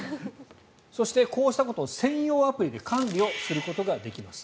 そして、こうしたことを専用アプリで管理することができます。